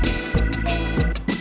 terima kasih bang